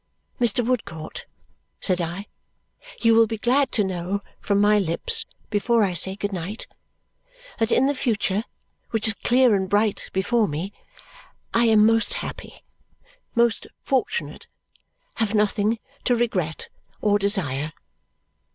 "Mr. Woodcourt," said I, "you will be glad to know from my lips before I say good night that in the future, which is clear and bright before me, I am most happy, most fortunate, have nothing to regret or desire."